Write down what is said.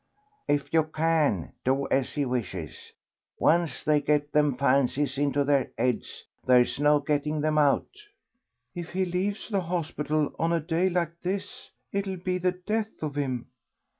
"If you can, do as he wishes. Once they gets them fancies into their heads there's no getting them out." "If he leaves the hospital on a day like this it'll be the death of him."